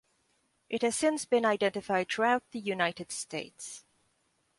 It has since been identified throughout the United States.